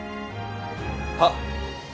はっ！